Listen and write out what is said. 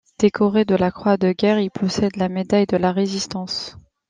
Décoré de la Croix de Guerre, il possède la médaille de la Résistance.